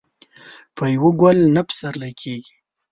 په يوه ګل نه پسرلی کېږي.